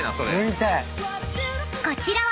［こちらは］